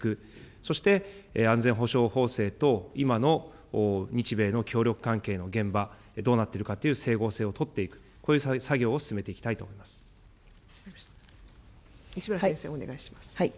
そして安全保障法制と、今の日米の協力関係の現場、どうなっているかという整合性を取っていく、こういう作業を進めていきたいと西村先生、お願いします。